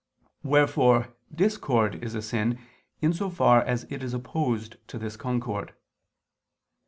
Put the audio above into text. Wherefore discord is a sin, in so far as it is opposed to this concord.